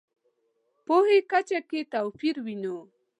پوهې کچه کې توپیر وینو.